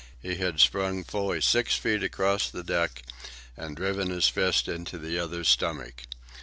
He had sprung fully six feet across the deck and driven his fist into the other's stomach.